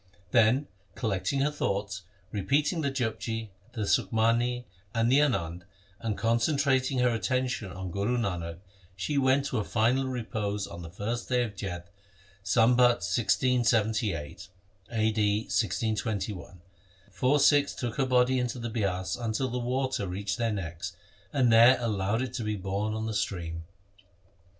Then collect ing her thoughts, repeating the Japji, the Sukhmani, and the Anand, and concentrating her attention on Guru Nanak, she went to her final repose on the 1st day of Jeth, Sambat 1678 (a.d. 1621). Four Sikhs took her body into the Bias until the water reached their necks, and there allowed it to be borne on the stream.